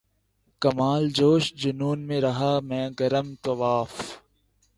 کمال جوش جنوں میں رہا میں گرم طواف